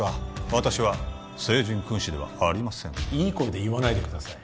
私は聖人君子ではありませんいい声で言わないでください